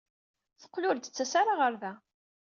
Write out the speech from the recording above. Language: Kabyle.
Teqqel ur d-tettas ara ɣer da.